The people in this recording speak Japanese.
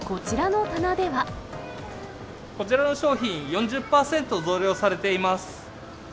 こちらの商品、４０％増量されています。